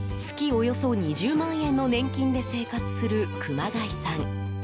およそ２０万円の年金で生活する熊谷さん。